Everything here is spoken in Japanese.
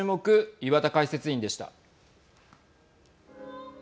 岩田解説委員でした。